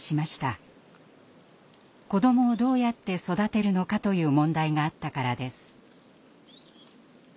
子どもをどうやって育てるのかという問題があったからです。